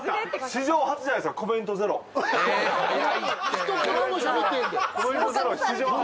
一言もしゃべってへんで。